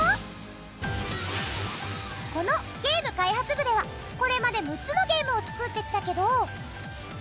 このゲーム開発部ではこれまで６つのゲームを作ってきたけど。